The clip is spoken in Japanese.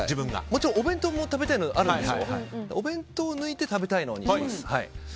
もちろんお弁当も食べたいのあるんですけどお弁当を抜いて食べたいものにします。